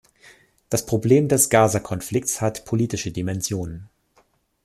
Das Problem des Gaza-Konflikts hat politische Dimensionen.